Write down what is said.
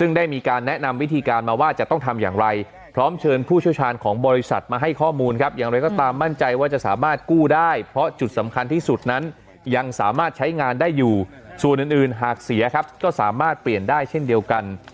ซึ่งได้มีการแนะนำวิธีการมาว่าจะต้องทำอย่างไรพร้อมเชิญผู้เชี่ยวชาญของบริษัทมาให้ข้อมูลครับอย่างไรก็ตามมั่นใจว่าจะสามารถกู้ได้เพราะจุดสำคัญที่สุดนั้นยังสามารถใช้งานได้อยู่ส่วนอื่นหากเสียครับก็สามารถเปลี่ยนได้เช่นเดียวกัน